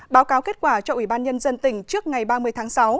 báo cáo kết quả cho ubnd tỉnh trước ngày ba mươi tháng sáu